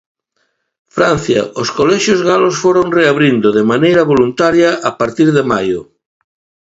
Francia Os colexios galos foron reabrindo, de maneira voluntaria, a partir de maio.